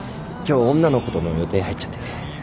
今日女の子との予定入っちゃってて。